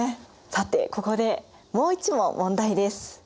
さてここでもう一問問題です。